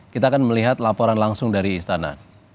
kita akan melihat laporan langsung dari istana